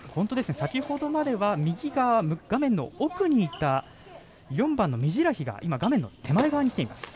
先ほどまでは右側、画面の奥にいた４番のミジラヒが画面手前に来ています。